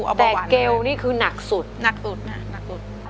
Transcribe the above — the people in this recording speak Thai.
ว่าบ้าวันน่ะแต่เกลวนี่คือนักสุดนักสุดค่ะนักสุด